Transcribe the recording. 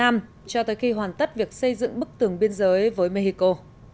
việt nam cho tới khi hoàn tất việc xây dựng bức tường biên giới với mexico